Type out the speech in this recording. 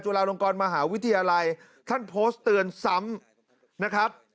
ลงกรมหาวิทยาลัยท่านโพสต์เตือนซ้ำนะครับ